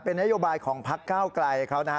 เป็นนโยบายของพรรคก้าวกลายเขานะฮะ